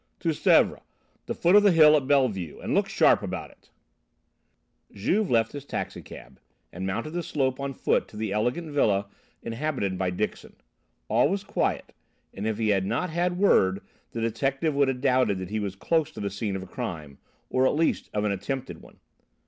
"To Sèvres, the foot of the hill at Bellevue, and look sharp about it!" Juve left his taxi cab, and mounted the slope on foot to the elegant villa inhabited by Dixon. All was quiet, and if he had not had word, the detective would have doubted that he was close to the scene of a crime, or at least of an attempted one.